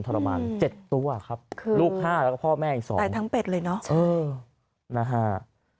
ทรมาน๗ตัวครับคือลูก๕แล้วพ่อแม่อีก๒แต่ทั้งเป็ดเลยเนาะ